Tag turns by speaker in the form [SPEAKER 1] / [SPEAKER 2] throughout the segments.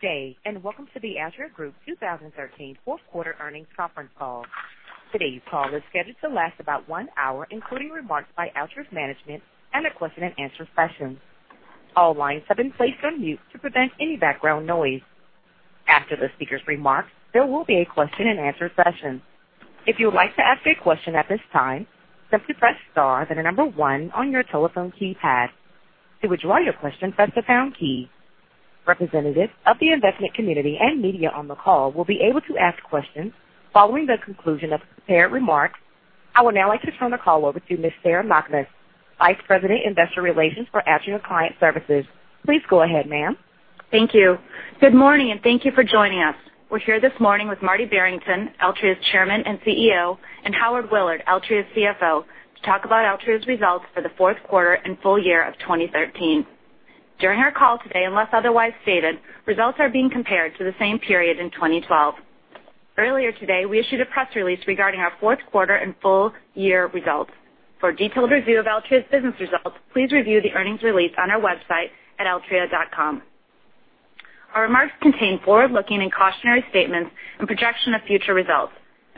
[SPEAKER 1] Good day, and welcome to the Altria Group 2013 fourth quarter earnings conference call. Today's call is scheduled to last about one hour, including remarks by Altria's management and a question and answer session. All lines have been placed on mute to prevent any background noise. After the speaker's remarks, there will be a question and answer session. If you would like to ask a question at this time, simply press star, then the number one on your telephone keypad. To withdraw your question, press the pound key. Representatives of the investment community and media on the call will be able to ask questions following the conclusion of prepared remarks. I would now like to turn the call over to Ms. Sarah Knakmuhs, Vice President, Investor Relations for Altria Client Services. Please go ahead, ma'am.
[SPEAKER 2] Thank you. Good morning, everyone, and thank you for joining us. We're here this morning with Martin Barrington, Altria's Chairman and CEO, and Howard Willard, Altria's CFO, to talk about Altria's results for the fourth quarter and full year of 2013. During our call today, unless otherwise stated, results are being compared to the same period in 2012. Earlier today, we issued a press release regarding our fourth quarter and full year results. For a detailed review of Altria's business results, please review the earnings release on our website at altria.com. Our remarks contain forward-looking and cautionary statements and projection of future results.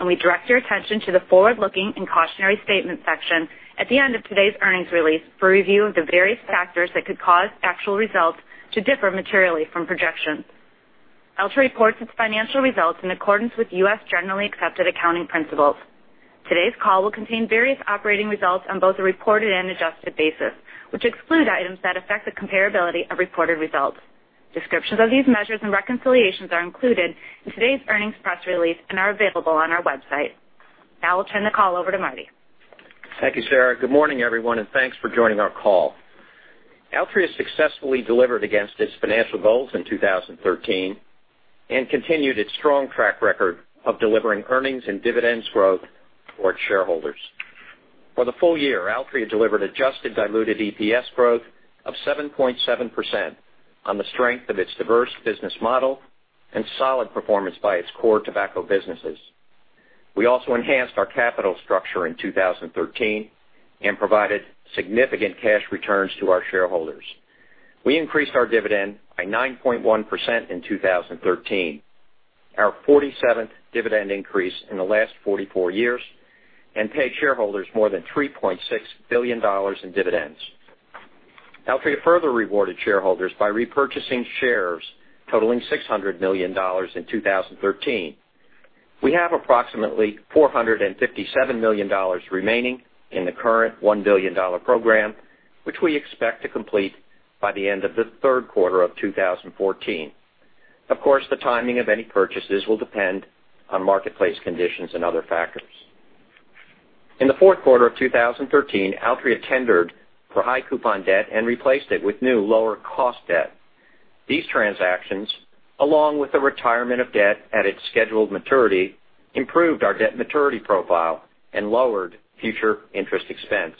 [SPEAKER 2] We direct your attention to the forward-looking and cautionary statement section at the end of today's earnings release for review of the various factors that could cause actual results to differ materially from projections. Altria reports its financial results in accordance with U.S. Generally Accepted Accounting Principles. Today's call will contain various operating results on both a reported and adjusted basis, which exclude items that affect the comparability of reported results. Descriptions of these measures and reconciliations are included in today's earnings press release and are available on our website. Now I'll turn the call over to Marty.
[SPEAKER 3] Thank you, Sarah. Good morning, everyone, and thanks for joining our call. Altria successfully delivered against its financial goals in 2013 and continued its strong track record of delivering earnings and dividends growth for its shareholders. For the full year, Altria delivered adjusted diluted EPS growth of 7.7% on the strength of its diverse business model and solid performance by its core tobacco businesses. We also enhanced our capital structure in 2013 and provided significant cash returns to our shareholders. We increased our dividend by 9.1% in 2013, our 47th dividend increase in the last 44 years, and paid shareholders more than $3.6 billion in dividends. Altria further rewarded shareholders by repurchasing shares totaling $600 million in 2013. We have approximately $457 million remaining in the current $1 billion program, which we expect to complete by the end of the third quarter of 2014. Of course, the timing of any purchases will depend on marketplace conditions and other factors. In the fourth quarter of 2013, Altria tendered for high coupon debt and replaced it with new, lower cost debt. These transactions, along with the retirement of debt at its scheduled maturity, improved our debt maturity profile and lowered future interest expense.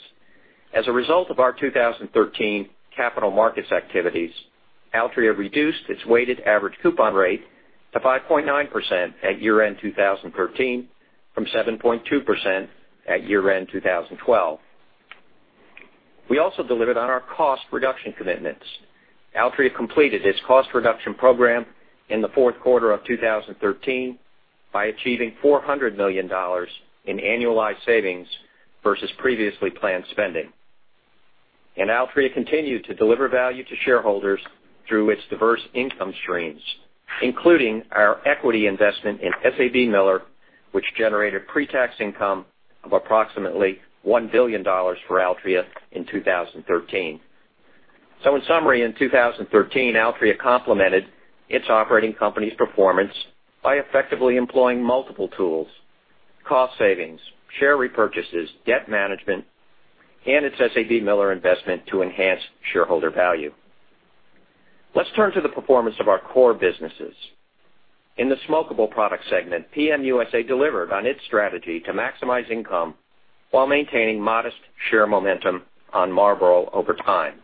[SPEAKER 3] As a result of our 2013 capital markets activities, Altria reduced its weighted average coupon rate to 5.9% at year-end 2013 from 7.2% at year-end 2012. We also delivered on our cost reduction commitments. Altria completed its cost reduction program in the fourth quarter of 2013 by achieving $400 million in annualized savings versus previously planned spending. Altria continued to deliver value to shareholders through its diverse income streams, including our equity investment in SABMiller, which generated pre-tax income of approximately $1 billion for Altria in 2013. In summary, in 2013, Altria complemented its operating company's performance by effectively employing multiple tools, cost savings, share repurchases, debt management, and its SABMiller investment to enhance shareholder value. Let's turn to the performance of our core businesses. In the smokable product segment, PM USA delivered on its strategy to maximize income while maintaining modest share momentum on Marlboro over time.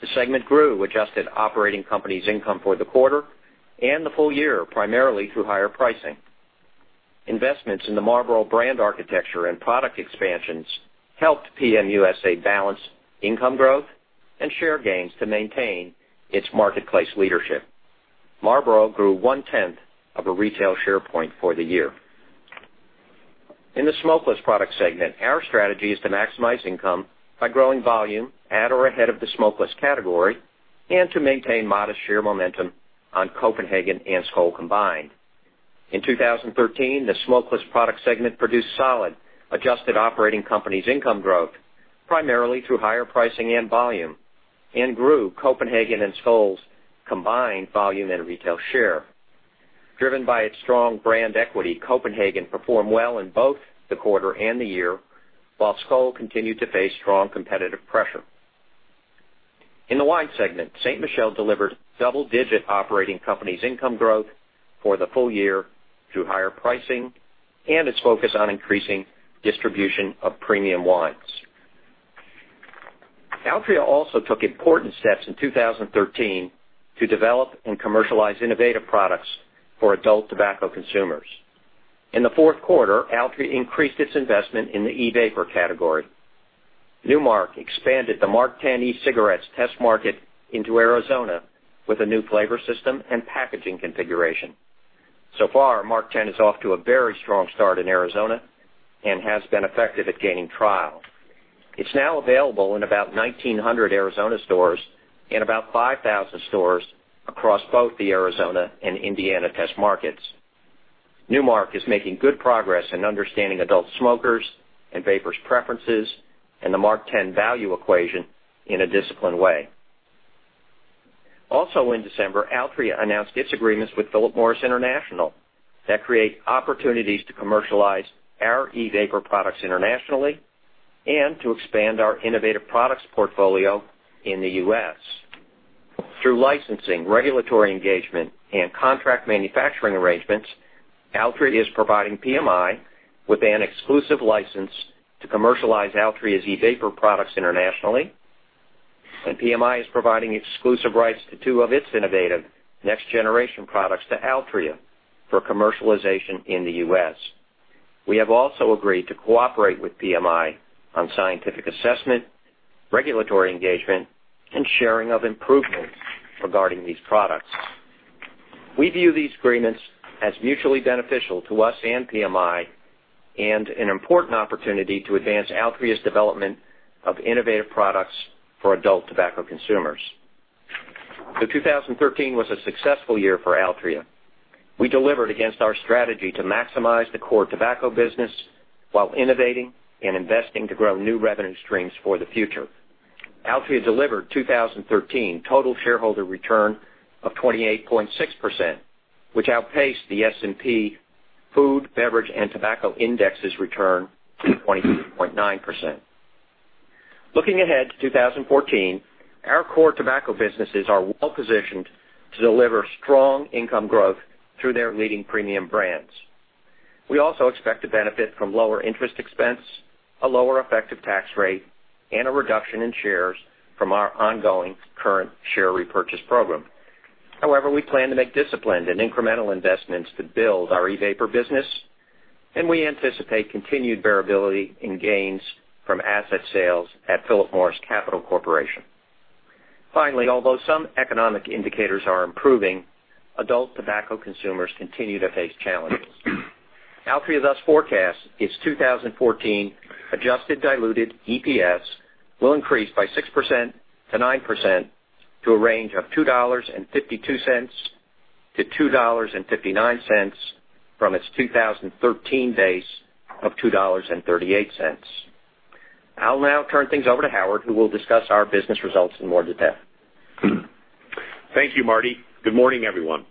[SPEAKER 3] The segment grew adjusted operating companies income for the quarter and the full year, primarily through higher pricing. Investments in the Marlboro brand architecture and product expansions helped PM USA balance income growth and share gains to maintain its marketplace leadership. Marlboro grew one tenth of a retail share point for the year. In the smokeless product segment, our strategy is to maximize income by growing volume at or ahead of the smokeless category and to maintain modest share momentum on Copenhagen and Skoal combined. In 2013, the smokeless product segment produced solid adjusted operating companies income growth, primarily through higher pricing and volume, and grew Copenhagen and Skoal's combined volume and retail share. Driven by its strong brand equity, Copenhagen performed well in both the quarter and the year, while Skoal continued to face strong competitive pressure. In the wine segment, Ste. Michelle delivered double-digit operating companies income growth for the full year through higher pricing and its focus on increasing distribution of premium wines. Altria also took important steps in 2013 to develop and commercialize innovative products for adult tobacco consumers. In the fourth quarter, Altria increased its investment in the e-vapor category. Nu Mark expanded the MarkTen e-cigarettes test market into Arizona with a new flavor system and packaging configuration. MarkTen is off to a very strong start in Arizona and has been effective at gaining trial. It's now available in about 1,900 Arizona stores and about 5,000 stores across both the Arizona and Indiana test markets. Nu Mark is making good progress in understanding adult smokers' and vapers' preferences and the MarkTen value equation in a disciplined way. In December, Altria announced its agreements with Philip Morris International that create opportunities to commercialize our e-vapor products internationally and to expand our innovative products portfolio in the U.S. Through licensing, regulatory engagement, and contract manufacturing arrangements, Altria is providing PMI with an exclusive license to commercialize Altria's e-vapor products internationally. PMI is providing exclusive rights to two of its innovative next-generation products to Altria for commercialization in the U.S. We have also agreed to cooperate with PMI on scientific assessment, regulatory engagement, and sharing of improvements regarding these products. We view these agreements as mutually beneficial to us and PMI and an important opportunity to advance Altria's development of innovative products for adult tobacco consumers. 2013 was a successful year for Altria. We delivered against our strategy to maximize the core tobacco business while innovating and investing to grow new revenue streams for the future. Altria delivered 2013 total shareholder return of 28.6%, which outpaced the S&P Food, Beverage & Tobacco Index's return to 23.9%. Looking ahead to 2014, our core tobacco businesses are well-positioned to deliver strong income growth through their leading premium brands. We also expect to benefit from lower interest expense, a lower effective tax rate, and a reduction in shares from our ongoing current share repurchase program. However, we plan to make disciplined and incremental investments to build our e-vapor business, and we anticipate continued variability in gains from asset sales at Philip Morris Capital Corporation. Finally, although some economic indicators are improving, adult tobacco consumers continue to face challenges. Altria thus forecasts its 2014 adjusted diluted EPS will increase by 6%-9% to a range of $2.52-$2.59 from its 2013 base of $2.38. I'll now turn things over to Howard, who will discuss our business results in more detail.
[SPEAKER 4] Thank you, Marty. Good morning, everyone.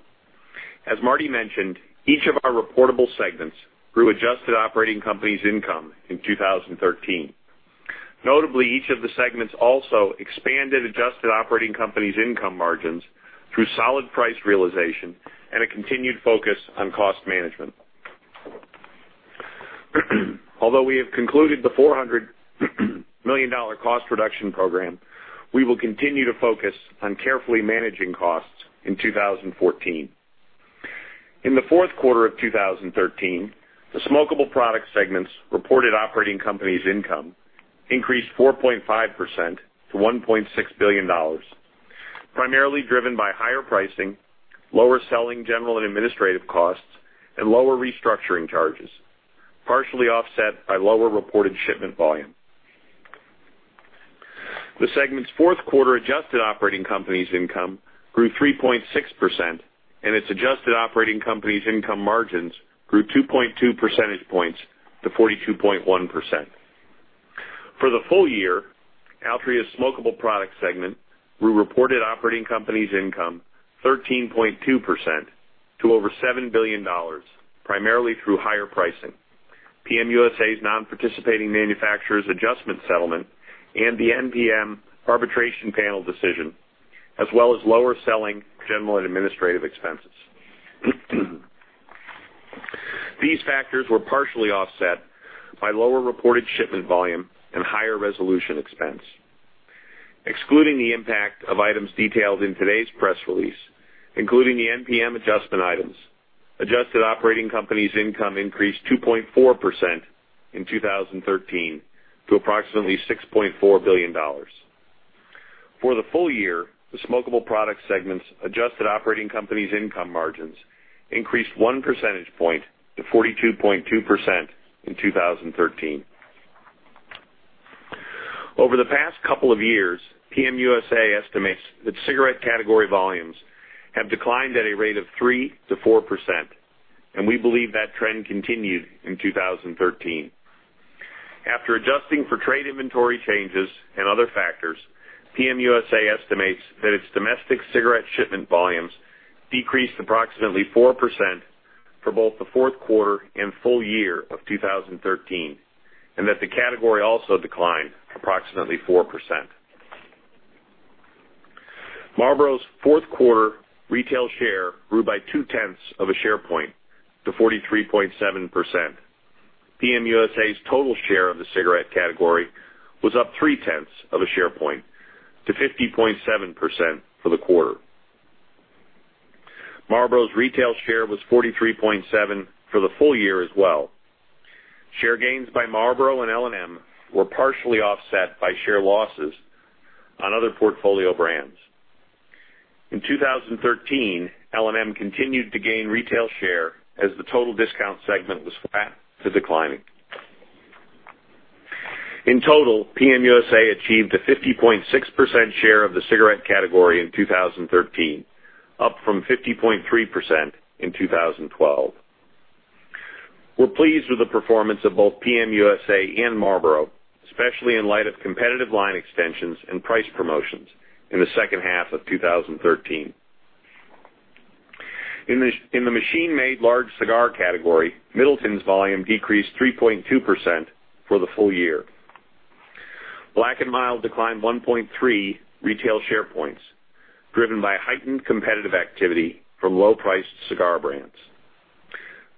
[SPEAKER 4] As Marty mentioned, each of our reportable segments grew adjusted operating companies income in 2013. Notably, each of the segments also expanded adjusted operating companies' income margins through solid price realization and a continued focus on cost management. Although we have concluded the $400 million cost reduction program, we will continue to focus on carefully managing costs in 2014. In the fourth quarter of 2013, the smokable product segments reported operating companies' income increased 4.5% to $1.6 billion, primarily driven by higher pricing, lower selling general and administrative costs, and lower restructuring charges, partially offset by lower reported shipment volume. The segment's fourth quarter adjusted operating companies' income grew 3.6%, and its adjusted operating companies' income margins grew 2.2 percentage points to 42.1%. For the full year, Altria's smokable product segment grew reported operating companies' income 13.2% to over $7 billion, primarily through higher pricing. PM USA's Non-Participating Manufacturer adjustment settlement and the NPM arbitration panel decision, as well as lower selling general and administrative expenses. These factors were partially offset by lower reported shipment volume and higher resolution expense. Excluding the impact of items detailed in today's press release, including the NPM adjustment items, adjusted operating companies' income increased 2.4% in 2013 to approximately $6.4 billion. For the full year, the smokable product segment's adjusted operating companies' income margins increased one percentage point to 42.2% in 2013. Over the past couple of years, PM USA estimates that cigarette category volumes have declined at a rate of 3%-4%, and we believe that trend continued in 2013. After adjusting for trade inventory changes and other factors, PM USA estimates that its domestic cigarette shipment volumes decreased approximately 4% for both the fourth quarter and full year of 2013, and that the category also declined approximately 4%. Marlboro's fourth quarter retail share grew by two-tenths of a share point to 43.7%. PM USA's total share of the cigarette category was up three-tenths of a share point to 50.7% for the quarter. Marlboro's retail share was 43.7% for the full year as well. Share gains by Marlboro and L&M were partially offset by share losses on other portfolio brands. In 2013, L&M continued to gain retail share as the total discount segment was flat to declining. In total, PM USA achieved a 50.6% share of the cigarette category in 2013, up from 50.3% in 2012. We're pleased with the performance of both PM USA and Marlboro, especially in light of competitive line extensions and price promotions in the second half of 2013. In the machine-made large cigar category, Middleton's volume decreased 3.2% for the full year. Black & Mild declined 1.3 retail share points, driven by heightened competitive activity from low-priced cigar brands.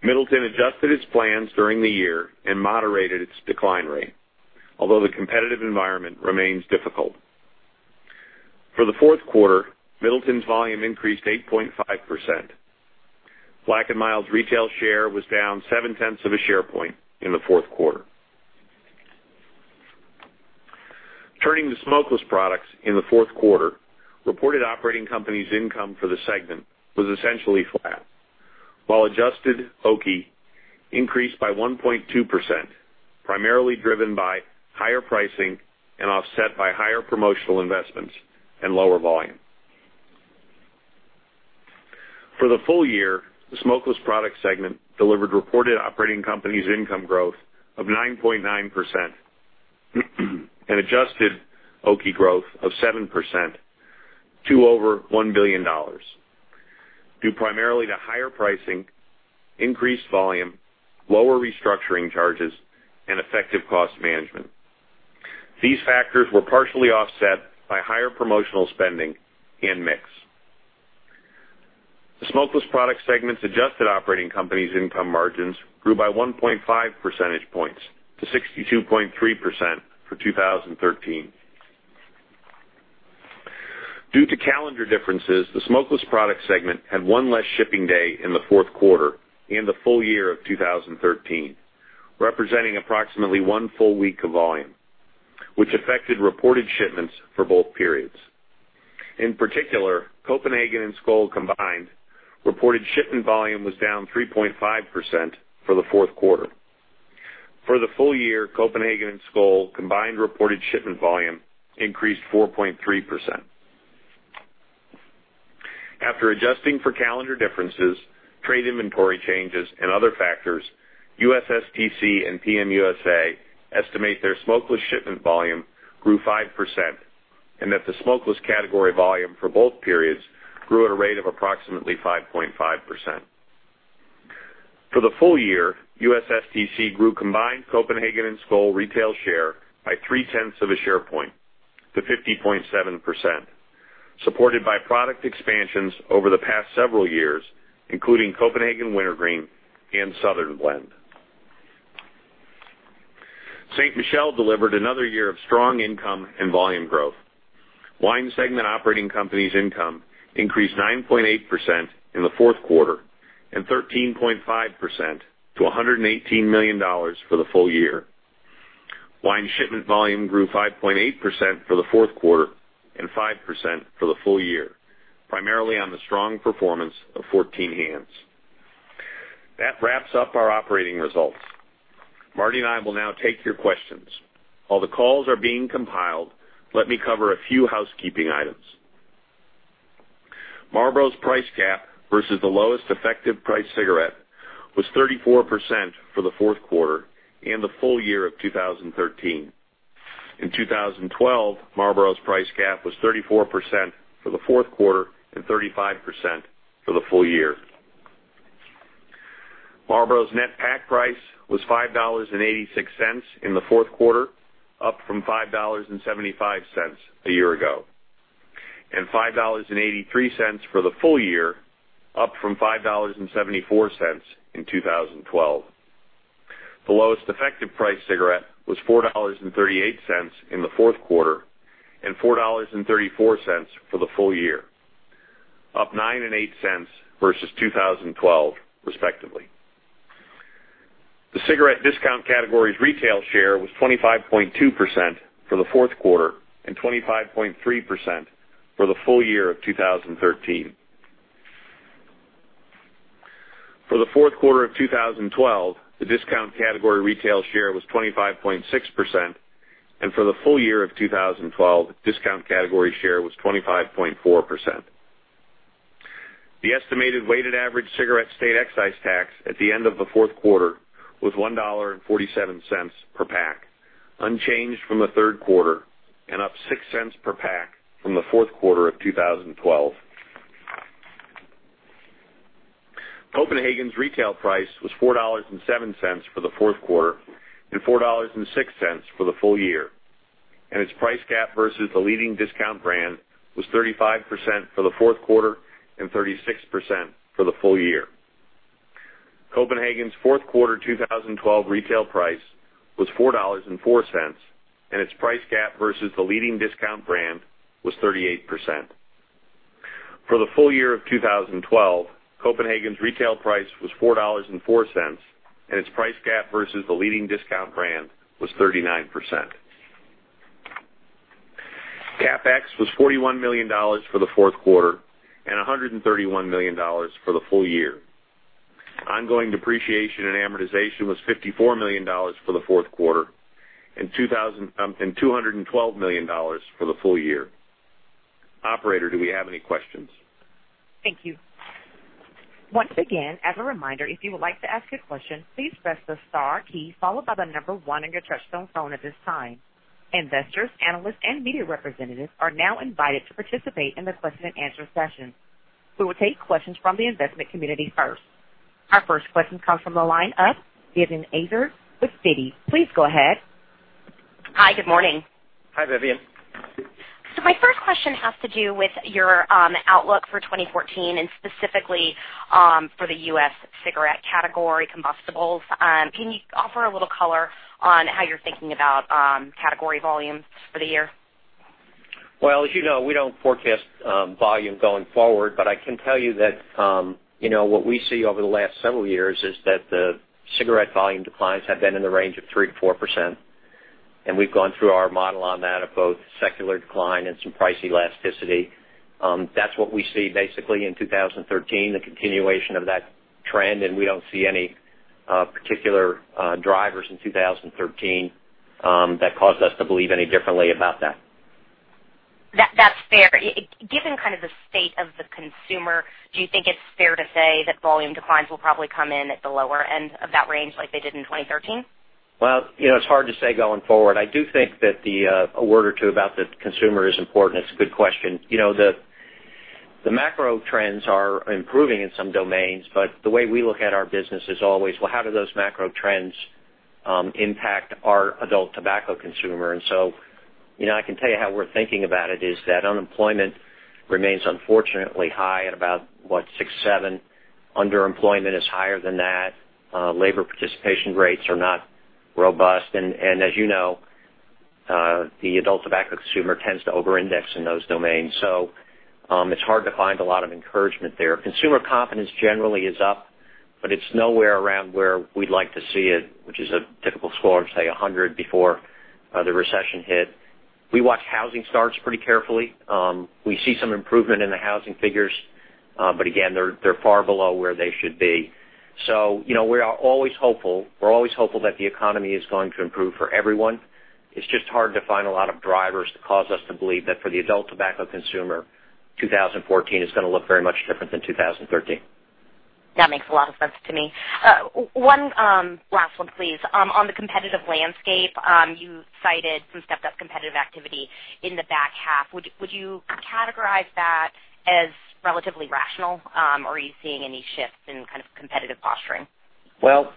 [SPEAKER 4] Middleton adjusted its plans during the year and moderated its decline rate. Although the competitive environment remains difficult. For the fourth quarter, Middleton's volume increased 8.5%. Black & Mild's retail share was down seven-tenths of a share point in the fourth quarter. Turning to smokeless products in the fourth quarter, reported operating companies income for the segment was essentially flat, while adjusted OCI increased by 1.2%, primarily driven by higher pricing and offset by higher promotional investments and lower volume. For the full year, the smokeless product segment delivered reported operating companies income growth of 9.9% and adjusted OCI growth of 7% to over $1 billion, due primarily to higher pricing, increased volume, lower restructuring charges, and effective cost management. These factors were partially offset by higher promotional spending and mix. The smokeless product segment's adjusted operating companies income margins grew by 1.5 percentage points to 62.3% for 2013. Due to calendar differences, the smokeless product segment had one less shipping day in the fourth quarter and the full year of 2013, representing approximately one full week of volume, which affected reported shipments for both periods. In particular, Copenhagen and Skoal combined reported shipment volume was down 3.5% for the fourth quarter. For the full year, Copenhagen and Skoal combined reported shipment volume increased 4.3%. After adjusting for calendar differences, trade inventory changes, and other factors, USSTC and PM USA estimate their smokeless shipment volume grew 5% and that the smokeless category volume for both periods grew at a rate of approximately 5.5%. For the full year, USSTC grew combined Copenhagen and Skoal retail share by three-tenths of a share point to 50.7%, supported by product expansions over the past several years, including Copenhagen Wintergreen and Southern Blend. Ste. Michelle delivered another year of strong income and volume growth. Wine segment operating companies income increased 9.8% in the fourth quarter and 13.5% to $118 million for the full year. Wine shipment volume grew 5.8% for the fourth quarter and 5% for the full year, primarily on the strong performance of 14 Hands. That wraps up our operating results. Marty and I will now take your questions. While the calls are being compiled, let me cover a few housekeeping items. Marlboro's price gap versus the lowest effective price cigarette was 34% for the fourth quarter and the full year of 2013. In 2012, Marlboro's price gap was 34% for the fourth quarter and 35% for the full year. Marlboro's net pack price was $5.86 in the fourth quarter, up from $5.75 a year ago, and $5.83 for the full year, up from $5.74 in 2012. The lowest effective price cigarette was $4.38 in the fourth quarter and $4.34 for the full year, up $0.09 and $0.08 versus 2012, respectively. The cigarette discount category's retail share was 25.2% for the fourth quarter and 25.3% for the full year of 2013. For the fourth quarter of 2012, the discount category retail share was 25.6%, and for the full year of 2012, discount category share was 25.4%. The estimated weighted average cigarette state excise tax at the end of the fourth quarter was $1.47 per pack, unchanged from the third quarter and up $0.06 per pack from the fourth quarter of 2012. Copenhagen's retail price was $4.07 for the fourth quarter and $4.06 for the full year, and its price gap versus the leading discount brand was 35% for the fourth quarter and 36% for the full year. Copenhagen's fourth quarter 2012 retail price was $4.04, and its price gap versus the leading discount brand was 38%. For the full year of 2012, Copenhagen's retail price was $4.04, and its price gap versus the leading discount brand was 39%. CapEx was $41 million for the fourth quarter and $131 million for the full year. Ongoing depreciation and amortization was $54 million for the fourth quarter and $212 million for the full year. Operator, do we have any questions?
[SPEAKER 1] Thank you. Once again, as a reminder, if you would like to ask a question, please press the star key followed by the number one on your touchtone phone at this time. Investors, analysts, and media representatives are now invited to participate in the question and answer session. We will take questions from the investment community first. Our first question comes from the line of Vivien Azer with Citi. Please go ahead.
[SPEAKER 5] Hi. Good morning.
[SPEAKER 3] Hi, Vivien.
[SPEAKER 5] My first question has to do with your outlook for 2014 and specifically for the U.S. cigarette category combustibles. Can you offer a little color on how you're thinking about category volumes for the year?
[SPEAKER 3] Well, as you know, we don't forecast volume going forward, but I can tell you that what we see over the last several years is that the cigarette volume declines have been in the range of 3%-4%. We've gone through our model on that of both secular decline and some price elasticity. That's what we see basically in 2013, the continuation of that trend, and we don't see any particular drivers in 2013 that cause us to believe any differently about that.
[SPEAKER 5] That's fair. Given kind of the state of the consumer, do you think it's fair to say that volume declines will probably come in at the lower end of that range like they did in 2013?
[SPEAKER 3] Well, it's hard to say going forward. I do think that a word or two about the consumer is important. It's a good question. The macro trends are improving in some domains, but the way we look at our business is always, well, how do those macro trends impact our adult tobacco consumer? I can tell you how we're thinking about it, is that unemployment remains unfortunately high at about what? six, seven. Underemployment is higher than that. Labor participation rates are not robust. As you know, the adult tobacco consumer tends to over-index in those domains. It's hard to find a lot of encouragement there. Consumer confidence generally is up, but it's nowhere around where we'd like to see it, which is a typical score of, say, 100 before the recession hit. We watch housing starts pretty carefully. We see some improvement in the housing figures. Again, they're far below where they should be. We are always hopeful that the economy is going to improve for everyone. It's just hard to find a lot of drivers to cause us to believe that for the adult tobacco consumer, 2014 is going to look very much different than 2013.
[SPEAKER 5] That makes a lot of sense to me. One last one, please. On the competitive landscape, you cited some stepped-up competitive activity in the back half. Would you categorize that as relatively rational? Are you seeing any shifts in competitive posturing?
[SPEAKER 3] Well,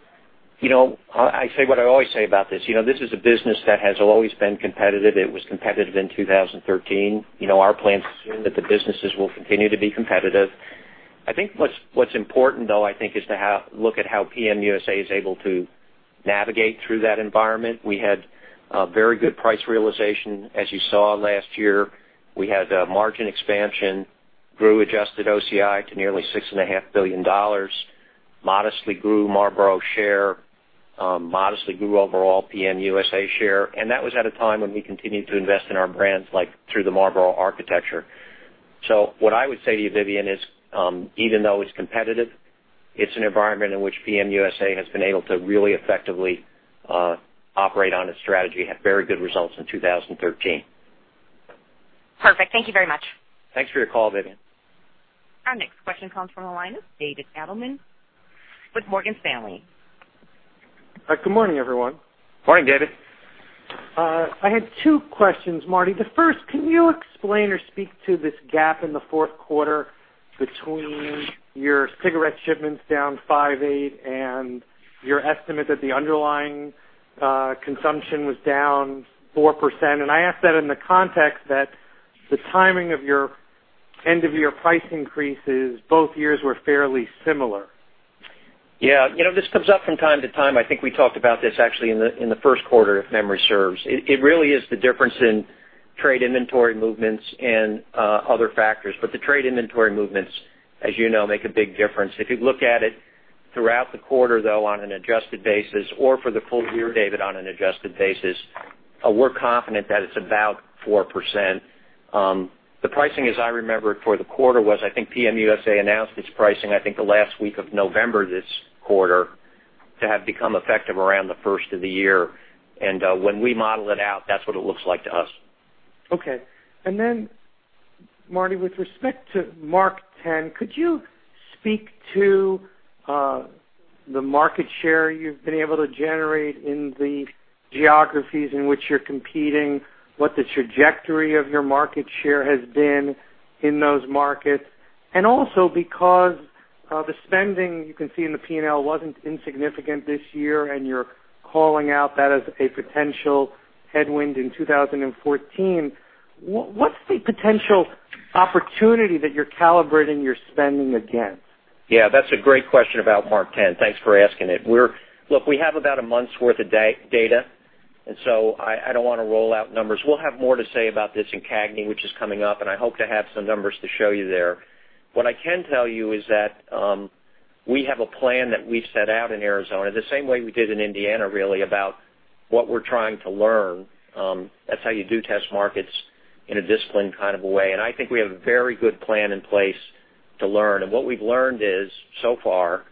[SPEAKER 3] I say what I always say about this. This is a business that has always been competitive. It was competitive in 2013. Our plans assume that the businesses will continue to be competitive. I think what's important, though, is to look at how PM USA is able to navigate through that environment. We had a very good price realization, as you saw last year. We had a margin expansion, grew adjusted OCI to nearly $6.5 billion, modestly grew Marlboro share, modestly grew overall PM USA share. That was at a time when we continued to invest in our brands, like through the Marlboro architecture. What I would say to you, Vivien, is even though it's competitive, it's an environment in which PM USA has been able to really effectively operate on its strategy, have very good results in 2013.
[SPEAKER 5] Perfect. Thank you very much.
[SPEAKER 3] Thanks for your call, Vivien.
[SPEAKER 1] Our next question comes from the line of David Adelman with Morgan Stanley.
[SPEAKER 6] Good morning, everyone.
[SPEAKER 3] Morning, David.
[SPEAKER 6] I had two questions, Marty. The first, can you explain or speak to this gap in the fourth quarter between your cigarette shipments down 5.8% and your estimate that the underlying consumption was down 4%? I ask that in the context that the timing of your end-of-year price increases both years were fairly similar.
[SPEAKER 3] Yeah. This comes up from time to time. I think we talked about this actually in the first quarter, if memory serves. It really is the difference in trade inventory movements and other factors. The trade inventory movements, as you know, make a big difference. If you look at it throughout the quarter, though, on an adjusted basis or for the full year, David, on an adjusted basis, we're confident that it's about 4%. The pricing, as I remember it for the quarter was, I think PM USA announced its pricing, I think, the last week of November this quarter to have become effective around the first of the year. When we model it out, that's what it looks like to us.
[SPEAKER 6] Okay. Marty, with respect to MarkTen, could you speak to the market share you've been able to generate in the geographies in which you're competing, what the trajectory of your market share has been in those markets? Also because the spending you can see in the P&L wasn't insignificant this year, and you're calling out that as a potential headwind in 2014. What's the potential opportunity that you're calibrating your spending against?
[SPEAKER 3] Yeah, that's a great question about MarkTen. Thanks for asking it. Look, we have about a month's worth of data, I don't want to roll out numbers. We'll have more to say about this in CAGNY, which is coming up, I hope to have some numbers to show you there. What I can tell you is that we have a plan that we set out in Arizona, the same way we did in Indiana, really, about what we're trying to learn. That's how you do test markets in a disciplined kind of a way. I think we have a very good plan in place to learn. What we've learned is, so far,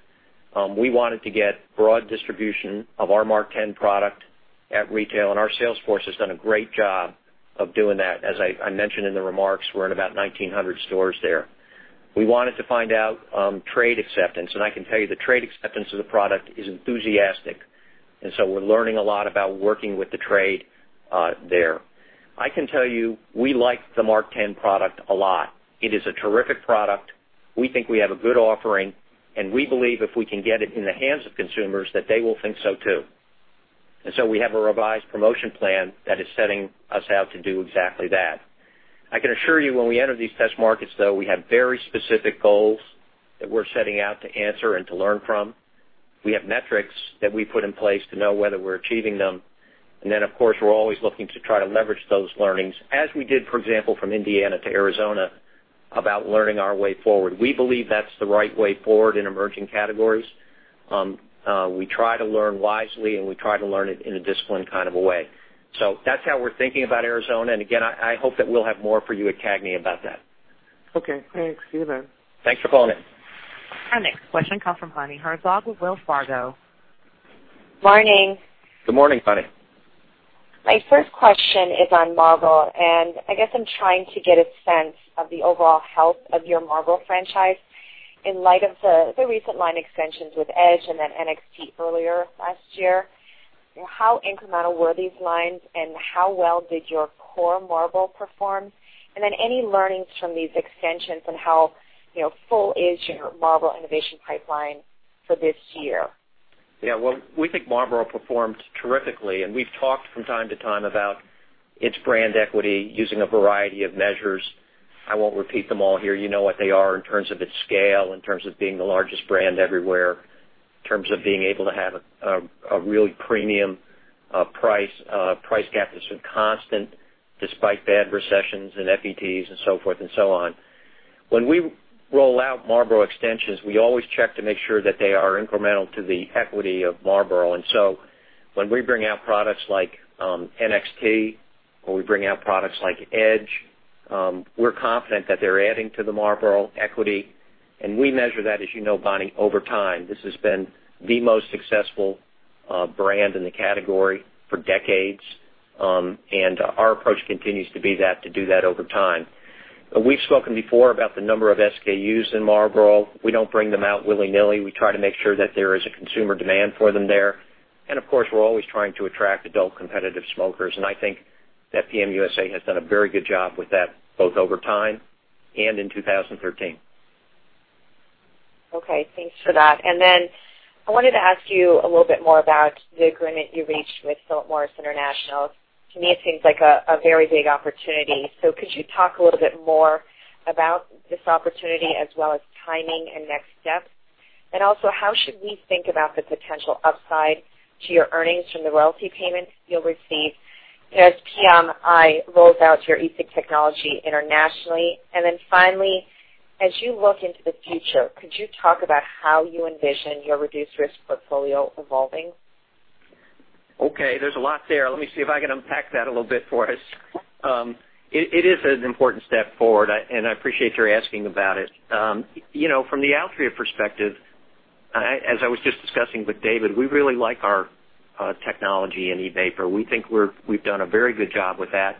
[SPEAKER 3] we wanted to get broad distribution of our MarkTen product at retail, and our sales force has done a great job of doing that. As I mentioned in the remarks, we're in about 1,900 stores there. We wanted to find out trade acceptance, I can tell you the trade acceptance of the product is enthusiastic. We're learning a lot about working with the trade there. I can tell you we like the MarkTen product a lot. It is a terrific product. We think we have a good offering, we believe if we can get it in the hands of consumers, that they will think so, too. We have a revised promotion plan that is setting us out to do exactly that. I can assure you, when we enter these test markets, though, we have very specific goals that we're setting out to answer and to learn from. We have metrics that we put in place to know whether we're achieving them. Of course, we're always looking to try to leverage those learnings, as we did, for example, from Indiana to Arizona, about learning our way forward. We believe that's the right way forward in emerging categories. We try to learn wisely, we try to learn it in a disciplined kind of a way. That's how we're thinking about Arizona. Again, I hope that we'll have more for you at CAGNY about that.
[SPEAKER 6] Okay. Thanks. See you then.
[SPEAKER 3] Thanks for calling in.
[SPEAKER 1] Our next question comes from Bonnie Herzog with Wells Fargo.
[SPEAKER 7] Morning.
[SPEAKER 3] Good morning, Bonnie.
[SPEAKER 7] My first question is on Marlboro. I guess I'm trying to get a sense of the overall health of your Marlboro franchise in light of the recent line extensions with Edge, then NXT earlier last year. How incremental were these lines, and how well did your core Marlboro perform? Then any learnings from these extensions and how full is your Marlboro innovation pipeline for this year?
[SPEAKER 3] Well, we think Marlboro performed terrifically. We've talked from time to time about its brand equity using a variety of measures. I won't repeat them all here. You know what they are in terms of its scale, in terms of being the largest brand everywhere, in terms of being able to have a really premium price gap that's been constant despite bad recessions and FETs and so forth and so on. When we roll out Marlboro extensions, we always check to make sure that they are incremental to the equity of Marlboro. So when we bring out products like NXT or we bring out products like Edge, we're confident that they're adding to the Marlboro equity, and we measure that, as you know, Bonnie, over time. This has been the most successful brand in the category for decades. Our approach continues to be that, to do that over time. We've spoken before about the number of SKUs in Marlboro. We don't bring them out willy-nilly. We try to make sure that there is a consumer demand for them there. Of course, we're always trying to attract adult competitive smokers, and I think that PM USA has done a very good job with that, both over time and in 2013.
[SPEAKER 7] Okay. Thanks for that. Then I wanted to ask you a little bit more about the agreement you reached with Philip Morris International. To me, it seems like a very big opportunity. Could you talk a little bit more about this opportunity as well as timing and next steps? Also, how should we think about the potential upside to your earnings from the royalty payments you'll receive as PMI rolls out your e-cig technology internationally? Then finally, as you look into the future, could you talk about how you envision your reduced-risk portfolio evolving?
[SPEAKER 3] Okay, there's a lot there. Let me see if I can unpack that a little bit for us. It is an important step forward. I appreciate your asking about it. From the Altria perspective, as I was just discussing with David, we really like our technology in e-vapor. We think we've done a very good job with that.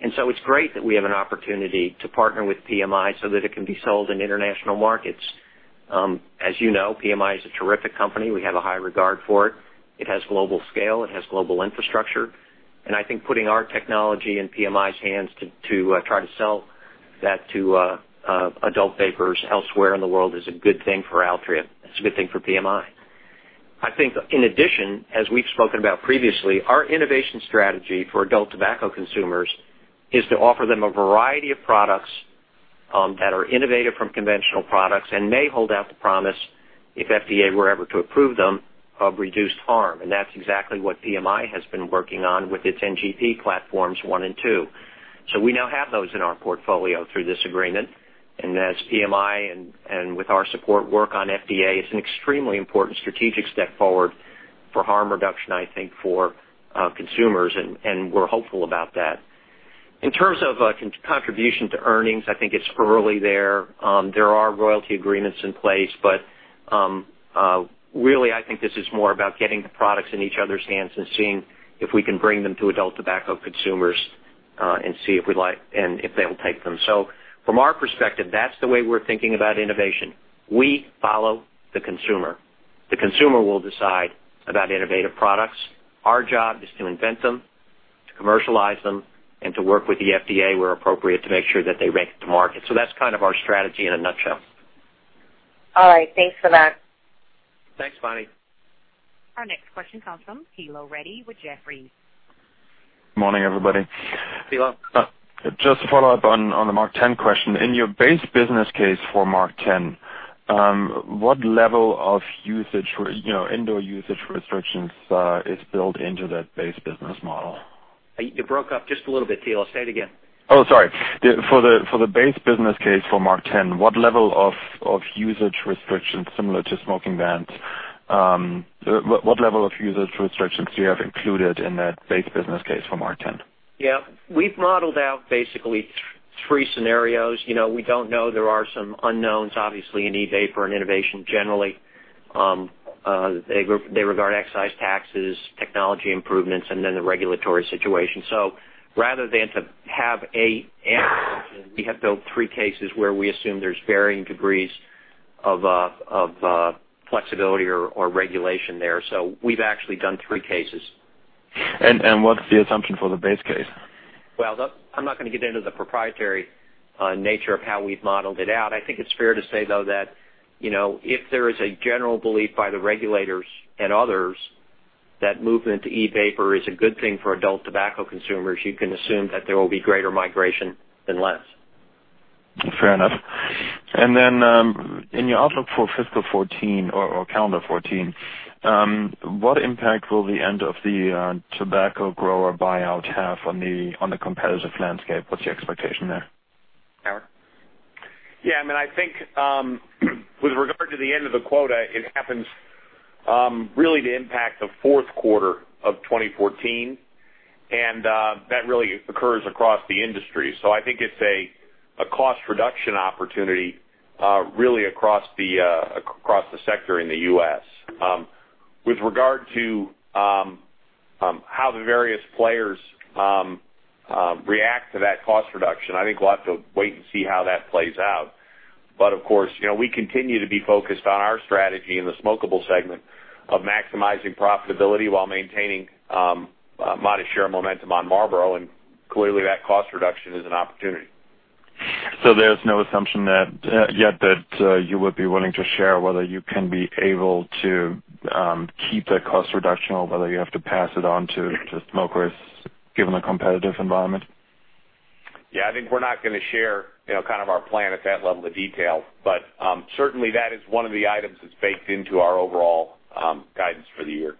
[SPEAKER 3] It's great that we have an opportunity to partner with PMI so that it can be sold in international markets. As you know, PMI is a terrific company. We have a high regard for it. It has global scale. It has global infrastructure. I think putting our technology in PMI's hands to try to sell that to adult vapers elsewhere in the world is a good thing for Altria. It's a good thing for PMI. I think in addition, as we've spoken about previously, our innovation strategy for adult tobacco consumers is to offer them a variety of products that are innovative from conventional products and may hold out the promise, if FDA were ever to approve them, of reduced harm. That's exactly what PMI has been working on with its NGP platforms 1 and 2. We now have those in our portfolio through this agreement. As PMI and with our support work on FDA, it's an extremely important strategic step forward for harm reduction, I think, for consumers, and we're hopeful about that. In terms of contribution to earnings, I think it's early there. There are royalty agreements in place. Really, I think this is more about getting the products in each other's hands and seeing if we can bring them to adult tobacco consumers, and see if they'll take them. From our perspective, that's the way we're thinking about innovation. We follow the consumer. The consumer will decide about innovative products. Our job is to invent them, to commercialize them, and to work with the FDA where appropriate, to make sure that they make it to market. That's kind of our strategy in a nutshell.
[SPEAKER 7] All right. Thanks for that.
[SPEAKER 3] Thanks, Bonnie.
[SPEAKER 1] Our next question comes from Thilo Reddy with Jefferies.
[SPEAKER 8] Morning, everybody.
[SPEAKER 3] Thilo.
[SPEAKER 8] Just to follow up on the MarkTen question. In your base business case for MarkTen, what level of indoor usage restrictions is built into that base business model?
[SPEAKER 3] You broke up just a little bit, Thilo. Say it again.
[SPEAKER 8] Oh, sorry. For the base business case for MarkTen, what level of usage restrictions, similar to smoking bans, do you have included in that base business case for MarkTen?
[SPEAKER 3] Yeah. We've modeled out basically three scenarios. We don't know. There are some unknowns, obviously, in e-vapor and innovation, generally. They regard excise taxes, technology improvements, the regulatory situation. Rather than we have built three cases where we assume there's varying degrees of flexibility or regulation there. We've actually done three cases.
[SPEAKER 8] What's the assumption for the base case?
[SPEAKER 3] I'm not going to get into the proprietary nature of how we've modeled it out. I think it's fair to say, though, that if there is a general belief by the regulators and others that movement to e-vapor is a good thing for adult tobacco consumers, you can assume that there will be greater migration than less.
[SPEAKER 8] Fair enough. In your outlook for fiscal 2014 or calendar 2014, what impact will the end of the tobacco quota buyout have on the competitive landscape? What's your expectation there?
[SPEAKER 3] Howard?
[SPEAKER 4] I think with regard to the end of the quota, it happens really to impact the fourth quarter of 2014, that really occurs across the industry. I think it's a cost reduction opportunity really across the sector in the U.S. With regard to how the various players react to that cost reduction, I think we'll have to wait and see how that plays out. Of course, we continue to be focused on our strategy in the smokable segment of maximizing profitability while maintaining modest share momentum on Marlboro, clearly, that cost reduction is an opportunity.
[SPEAKER 8] There's no assumption yet that you would be willing to share whether you can be able to keep the cost reduction, or whether you have to pass it on to smokers, given the competitive environment?
[SPEAKER 4] Yeah, I think we're not going to share our plan at that level of detail. Certainly, that is one of the items that's baked into our overall guidance for the year.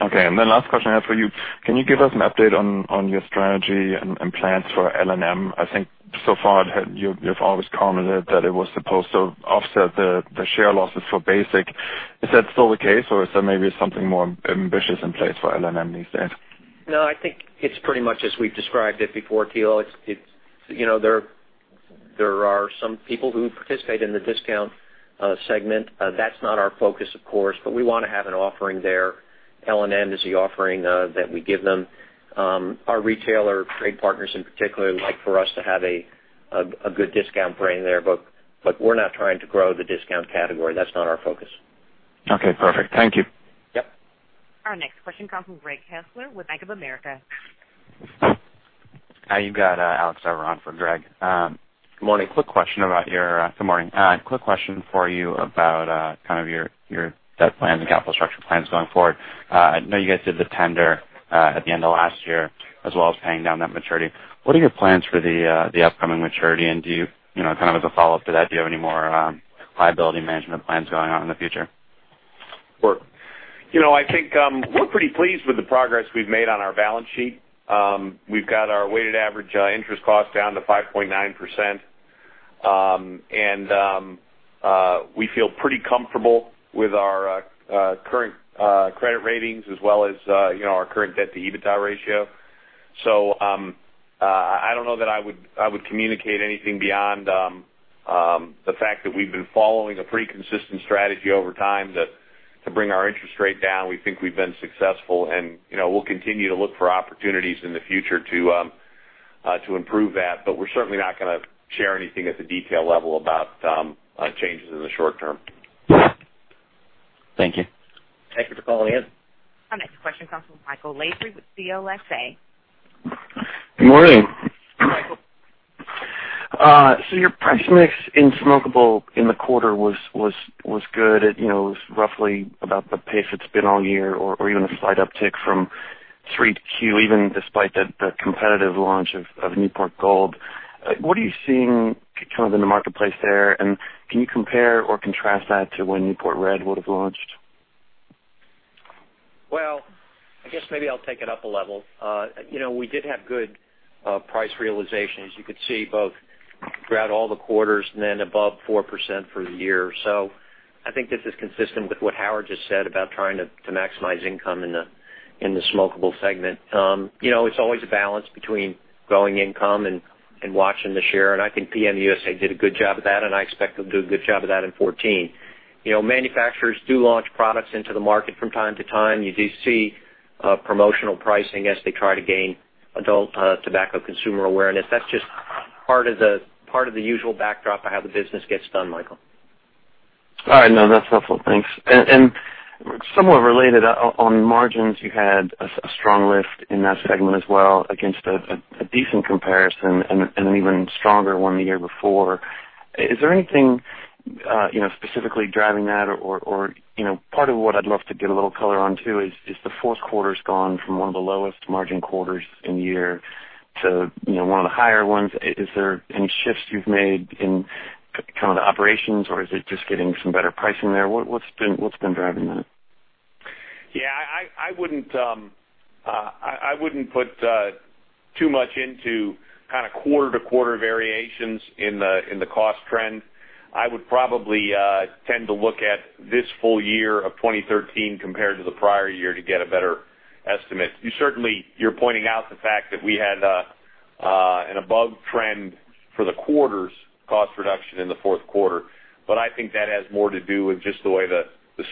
[SPEAKER 8] Okay. Then last question I have for you, can you give us an update on your strategy and plans for L&M? I think so far you've always commented that it was supposed to offset the share losses for basic. Is that still the case, or is there maybe something more ambitious in place for L&M these days?
[SPEAKER 3] No, I think it's pretty much as we've described it before, Thilo. There are some people who participate in the discount segment. That's not our focus, of course, but we want to have an offering there. L&M is the offering that we give them. Our retailer trade partners in particular would like for us to have a good discount brand there. We're not trying to grow the discount category. That's not our focus.
[SPEAKER 8] Okay, perfect. Thank you.
[SPEAKER 3] Yep.
[SPEAKER 1] Our next question comes from Greg Kessler with Bank of America.
[SPEAKER 9] Hi, you got Alex Averan for Greg.
[SPEAKER 3] Morning.
[SPEAKER 9] Good morning. A quick question for you about your debt plans and capital structure plans going forward. I know you guys did the tender at the end of last year, as well as paying down that maturity. What are your plans for the upcoming maturity? As a follow-up to that, do you have any more liability management plans going on in the future?
[SPEAKER 4] Sure. I think we're pretty pleased with the progress we've made on our balance sheet. We've got our weighted average interest cost down to 5.9%, and we feel pretty comfortable with our current credit ratings as well as our current debt to EBITDA ratio. I don't know that I would communicate anything beyond the fact that we've been following a pretty consistent strategy over time to bring our interest rate down. We think we've been successful, we'll continue to look for opportunities in the future to improve that. We're certainly not going to share anything at the detail level about changes in the short term.
[SPEAKER 9] Thank you.
[SPEAKER 3] Thank you for calling in.
[SPEAKER 1] Our next question comes from Michael Lavery with CLSA.
[SPEAKER 10] Good morning.
[SPEAKER 1] Michael.
[SPEAKER 10] Your price mix in smokable in the quarter was good. It was roughly about the pace it's been all year, or even a slight uptick from 3Q, even despite the competitive launch of Newport Gold. What are you seeing in the marketplace there, and can you compare or contrast that to when Newport Red would've launched?
[SPEAKER 3] Well, I guess maybe I'll take it up a level. We did have good price realization, as you could see, both throughout all the quarters and then above 4% for the year. I think this is consistent with what Howard just said about trying to maximize income in the smokable segment. It's always a balance between growing income and watching the share, and I think PM USA did a good job of that, and I expect them to do a good job of that in 2014. Manufacturers do launch products into the market from time to time. You do see promotional pricing as they try to gain adult tobacco consumer awareness. That's just part of the usual backdrop of how the business gets done, Michael.
[SPEAKER 10] All right. No, that's helpful. Thanks. Somewhat related, on margins, you had a strong lift in that segment as well against a decent comparison and an even stronger one the year before. Is there anything specifically driving that? Or part of what I'd love to get a little color on too is the fourth quarter's gone from one of the lowest margin quarters in the year to one of the higher ones. Is there any shifts you've made in the operations or is it just getting some better pricing there? What's been driving that?
[SPEAKER 4] Yeah. I wouldn't put too much into quarter-to-quarter variations in the cost trend. I would probably tend to look at this full year of 2013 compared to the prior year to get a better estimate. You're pointing out the fact that we had an above-trend for the quarter's cost reduction in the fourth quarter, but I think that has more to do with just the way the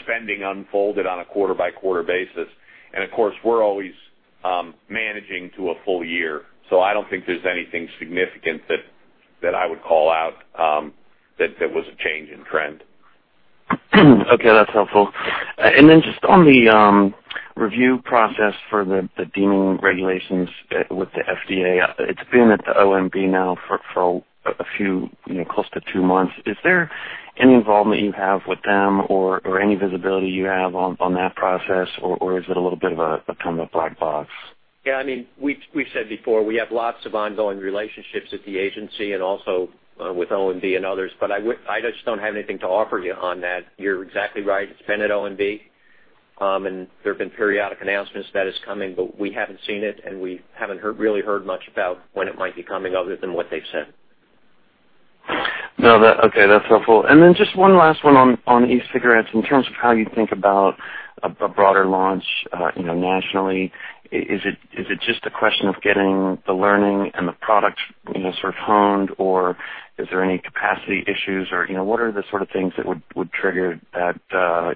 [SPEAKER 4] spending unfolded on a quarter-by-quarter basis. Of course, we're always managing to a full year, I don't think there's anything significant that I would call out that was a change in trend.
[SPEAKER 10] Okay, that's helpful. Just on the review process for the deeming regulations with the FDA. It's been at the OMB now for close to two months. Is there any involvement you have with them or any visibility you have on that process, or is it a little bit of a black box?
[SPEAKER 3] Yeah. We said before, we have lots of ongoing relationships at the agency and also with OMB and others, but I just don't have anything to offer you on that. You're exactly right. It's been at OMB, and there have been periodic announcements that it's coming, but we haven't seen it, and we haven't really heard much about when it might be coming other than what they've said.
[SPEAKER 10] No. Okay, that's helpful. Just one last one on e-cigarettes. In terms of how you think about a broader launch nationally, is it just a question of getting the learning and the product sort of honed, or is there any capacity issues, or what are the sort of things that would trigger that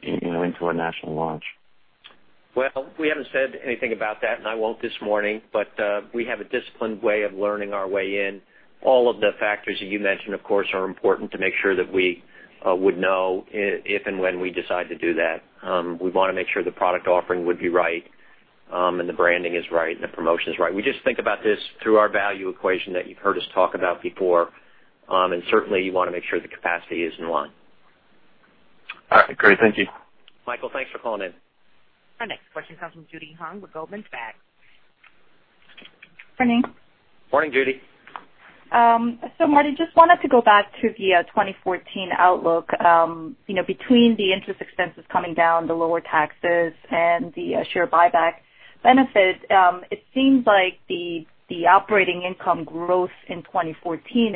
[SPEAKER 10] into a national launch?
[SPEAKER 3] Well, we haven't said anything about that, and I won't this morning, but we have a disciplined way of learning our way in. All of the factors that you mentioned, of course, are important to make sure that we would know if and when we decide to do that. We'd want to make sure the product offering would be right, and the branding is right, and the promotion is right. We just think about this through our value equation that you've heard us talk about before. Certainly, you want to make sure the capacity is in line.
[SPEAKER 10] All right, great. Thank you.
[SPEAKER 3] Michael, thanks for calling in.
[SPEAKER 1] Our next question comes from Judy Hong with Goldman Sachs.
[SPEAKER 11] Morning.
[SPEAKER 3] Morning, Judy.
[SPEAKER 11] Marty, just wanted to go back to the 2014 outlook. Between the interest expenses coming down, the lower taxes, and the share buyback benefit, it seems like the operating income growth in 2014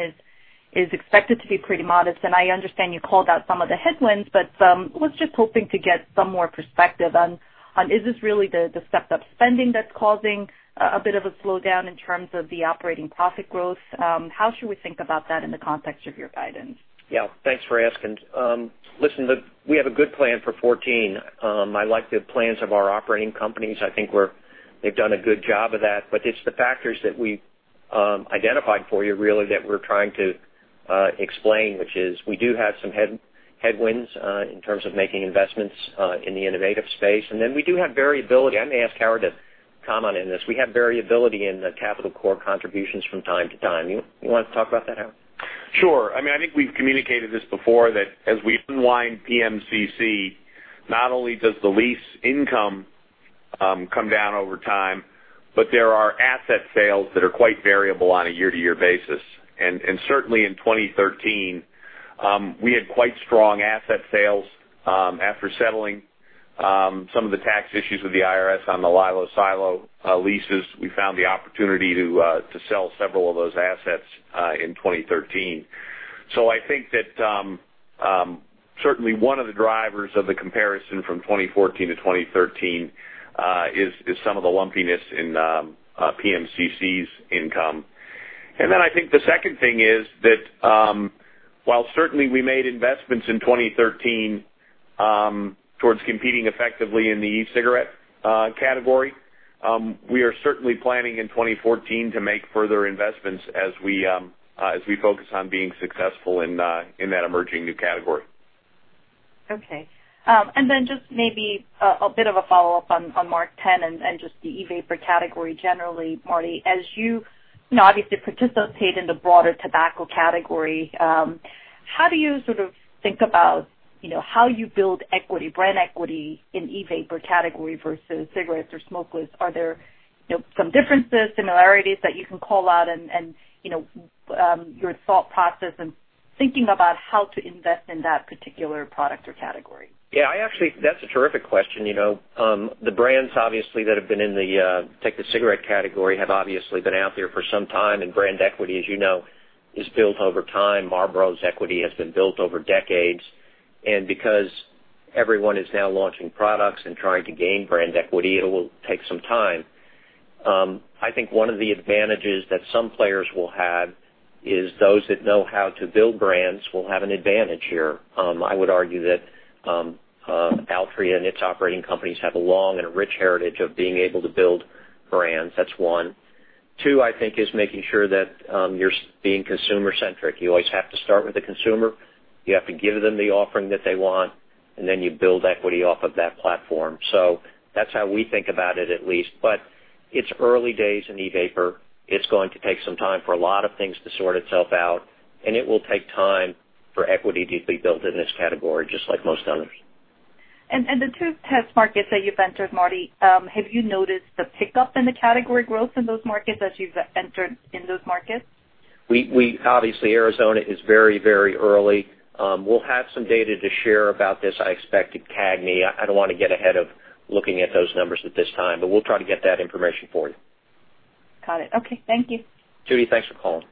[SPEAKER 11] is expected to be pretty modest. I understand you called out some of the headwinds, was just hoping to get some more perspective on, is this really the stepped-up spending that's causing a bit of a slowdown in terms of the operating profit growth? How should we think about that in the context of your guidance?
[SPEAKER 3] Thanks for asking. Listen, we have a good plan for 2014. I like the plans of our operating companies. I think they've done a good job of that. It's the factors that we identified for you really that we're trying to explain, which is we do have some headwinds in terms of making investments in the innovative space. We do have variability. I may ask Howard to comment on this. We have variability in the capital core contributions from time to time. You want to talk about that, Howard?
[SPEAKER 4] Sure. I think we've communicated this before, that as we unwind PMCC, not only does the lease income come down over time, there are asset sales that are quite variable on a year-to-year basis. Certainly in 2013, we had quite strong asset sales. After settling some of the tax issues with the IRS on the LILO/SILO leases, we found the opportunity to sell several of those assets in 2013. I think that certainly one of the drivers of the comparison from 2014 to 2013 is some of the lumpiness in PMCC's income. I think the second thing is that while certainly we made investments in 2013 towards competing effectively in the e-cigarette category, we are certainly planning in 2014 to make further investments as we focus on being successful in that emerging new category.
[SPEAKER 11] Okay. Just maybe a bit of a follow-up on MarkTen and just the e-vapor category generally, Marty. As you obviously participate in the broader tobacco category, how do you sort of think about how you build brand equity in e-vapor category versus cigarettes or smokeless? Are there some differences, similarities that you can call out and your thought process and thinking about how to invest in that particular product or category?
[SPEAKER 3] That's a terrific question. The brands, obviously, that have been in the take-the-cigarette category have obviously been out there for some time, and brand equity, as you know, is built over time. Marlboro's equity has been built over decades. Because everyone is now launching products and trying to gain brand equity, it will take some time. I think one of the advantages that some players will have is those that know how to build brands will have an advantage here. I would argue that Altria and its operating companies have a long and a rich heritage of being able to build brands. That's one. Two, I think, is making sure that you're being consumer-centric. You always have to start with the consumer. You have to give them the offering that they want, and then you build equity off of that platform. That's how we think about it, at least. It's early days in e-vapor. It's going to take some time for a lot of things to sort itself out, and it will take time for equity to be built in this category, just like most others.
[SPEAKER 11] The two test markets that you've entered, Marty, have you noticed the pickup in the category growth in those markets as you've entered in those markets?
[SPEAKER 3] Obviously, Arizona is very early. We'll have some data to share about this, I expect, at CAGNY. I don't want to get ahead of looking at those numbers at this time, but we'll try to get that information for you.
[SPEAKER 11] Got it. Okay. Thank you.
[SPEAKER 3] Judy, thanks for calling.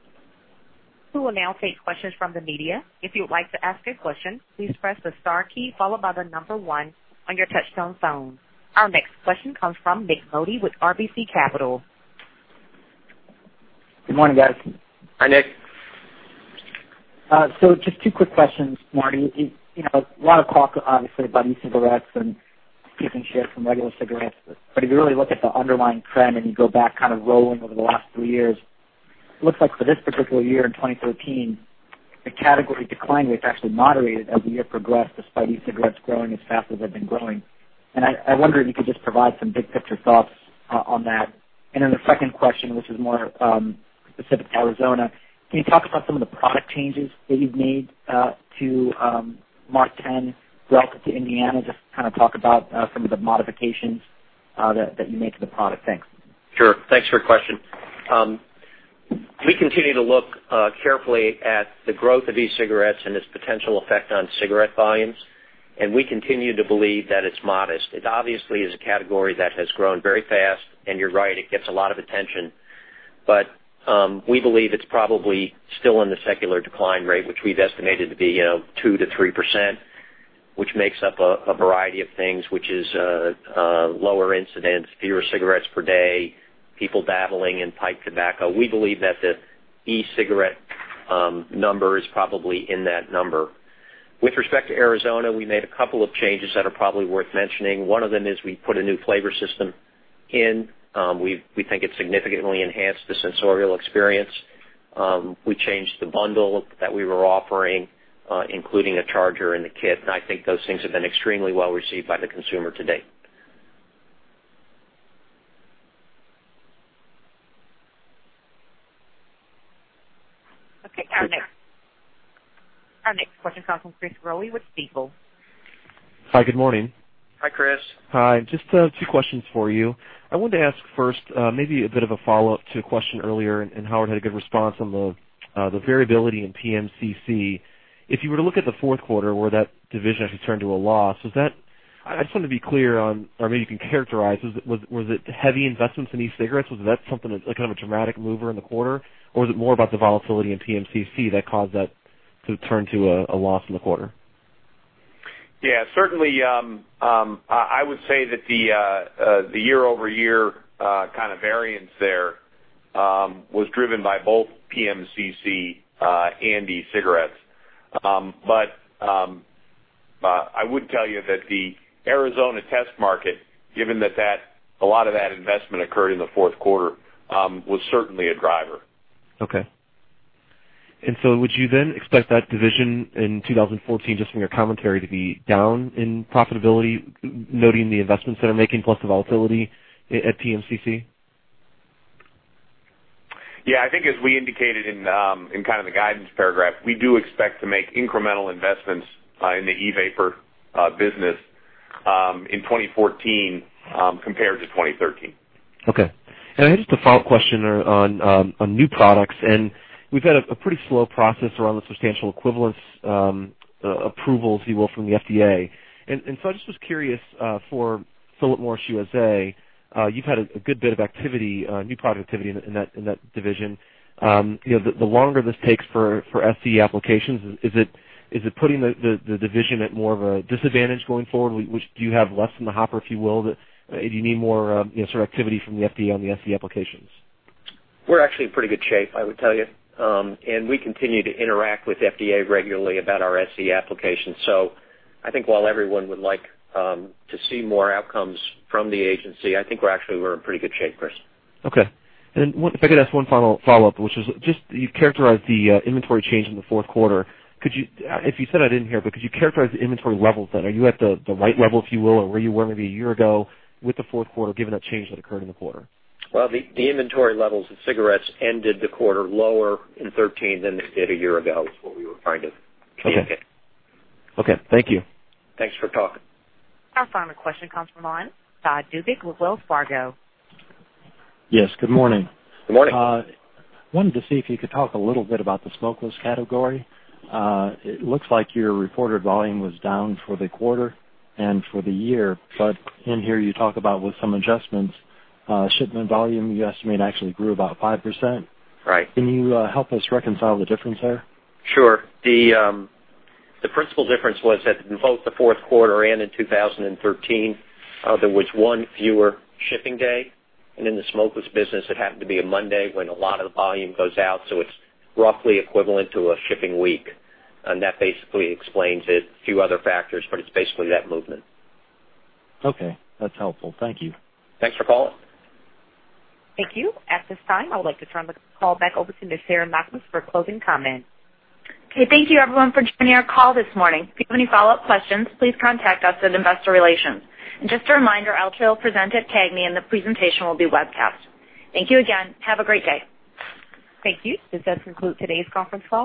[SPEAKER 1] We will now take questions from the media. If you would like to ask a question, please press the star key followed by the number 1 on your touchtone phone. Our next question comes from Nik Modi with RBC Capital.
[SPEAKER 12] Good morning, guys.
[SPEAKER 3] Hi, Nik.
[SPEAKER 12] Just two quick questions, Marty. A lot of talk, obviously, about e-cigarettes and shift from regular cigarettes. If you really look at the underlying trend, and you go back rolling over the last three years, looks like for this particular year, in 2013, the category decline rate's actually moderated as the year progressed, despite e-cigarettes growing as fast as they've been growing. I wonder if you could just provide some big picture thoughts on that. The second question, which is more specific to Arizona, can you talk about some of the product changes that you've made to MarkTen relative to Indiana? Just talk about some of the modifications that you made to the product. Thanks.
[SPEAKER 3] Sure. Thanks for your question. We continue to look carefully at the growth of e-cigarettes and its potential effect on cigarette volumes, and we continue to believe that it's modest. It obviously is a category that has grown very fast, and you're right, it gets a lot of attention. We believe it's probably still in the secular decline rate, which we've estimated to be 2%-3%, which makes up a variety of things, which is lower incidents, fewer cigarettes per day, people dabbling in pipe tobacco. We believe that the e-cigarette number is probably in that number. With respect to Arizona, we made a couple of changes that are probably worth mentioning. One of them is we put a new flavor system in. We think it significantly enhanced the sensorial experience. We changed the bundle that we were offering, including a charger and a kit, and I think those things have been extremely well received by the consumer to date.
[SPEAKER 1] Okay, our next question comes from Chris Growe with Stifel.
[SPEAKER 13] Hi, good morning.
[SPEAKER 3] Hi, Chris.
[SPEAKER 13] Hi, just two questions for you. I wanted to ask first, maybe a bit of a follow-up to a question earlier. Howard had a good response on the variability in PMCC. If you were to look at the fourth quarter where that division actually turned to a loss, I just wanted to be clear on, or maybe you can characterize, was it heavy investments in e-cigarettes? Was that something that's a dramatic mover in the quarter, or was it more about the volatility in PMCC that caused that to turn to a loss in the quarter?
[SPEAKER 4] Yeah, certainly, I would say that the year-over-year variance there was driven by both PMCC and e-cigarettes. I would tell you that the Arizona test market, given that a lot of that investment occurred in the fourth quarter, was certainly a driver.
[SPEAKER 13] Okay. Would you then expect that division in 2014, just from your commentary, to be down in profitability, noting the investments that are making plus the volatility at PMCC?
[SPEAKER 4] Yeah, I think as we indicated in the guidance paragraph, we do expect to make incremental investments in the e-vapor business in 2014 compared to 2013.
[SPEAKER 13] Okay. Just a follow-up question on new products. We've had a pretty slow process around the substantial equivalence approval, if you will, from the FDA. I just was curious for Philip Morris USA, you've had a good bit of activity, new product activity in that division. The longer this takes for SE applications, is it putting the division at more of a disadvantage going forward? Do you have less in the hopper, if you will? Do you need more activity from the FDA on the SE applications?
[SPEAKER 3] We're actually in pretty good shape, I would tell you. We continue to interact with FDA regularly about our SE application. I think while everyone would like to see more outcomes from the agency, I think we're actually in pretty good shape, Chris.
[SPEAKER 13] Okay. If I could ask one final follow-up, which is just you characterized the inventory change in the fourth quarter. If you said I didn't hear, but could you characterize the inventory levels then? Are you at the right level, if you will, or where you were maybe a year ago with the fourth quarter, given that change that occurred in the quarter?
[SPEAKER 3] Well, the inventory levels of cigarettes ended the quarter lower in 2013 than they did a year ago, is what we were trying to communicate.
[SPEAKER 13] Okay. Thank you.
[SPEAKER 3] Thanks for talking.
[SPEAKER 1] Our final question comes from the line. Bonnie Herzog with Wells Fargo.
[SPEAKER 7] Yes, good morning.
[SPEAKER 3] Good morning.
[SPEAKER 7] Wanted to see if you could talk a little bit about the smokeless category. It looks like your reported volume was down for the quarter and for the year, but in here you talk about with some adjustments, shipment volume, you estimate actually grew about 5%.
[SPEAKER 3] Right.
[SPEAKER 7] Can you help us reconcile the difference there?
[SPEAKER 3] Sure. The principal difference was that in both the fourth quarter and in 2013, there was one fewer shipping day, and in the smokeless business, it happened to be a Monday when a lot of the volume goes out, so it's roughly equivalent to a shipping week. That basically explains it. Few other factors, but it's basically that movement.
[SPEAKER 7] Okay, that's helpful. Thank you.
[SPEAKER 3] Thanks for calling.
[SPEAKER 1] Thank you. At this time, I would like to turn the call back over to Ms. Sarah Knakmuhs for closing comments.
[SPEAKER 2] Okay, thank you everyone for joining our call this morning. If you have any follow-up questions, please contact us at Investor Relations. Just a reminder, Altria will present at CAGNY, and the presentation will be webcast. Thank you again. Have a great day.
[SPEAKER 1] Thank you. This does conclude today's conference call.